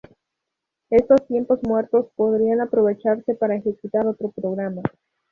Estos tiempos muertos podrían aprovecharse para ejecutar otro programa.